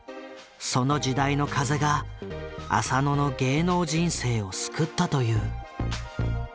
その時代の風が浅野の芸能人生を救ったという。